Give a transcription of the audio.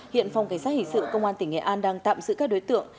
hiện phòng cảnh sát hình sự công an tỉnh nghệ an đang tạm giữ các đối tượng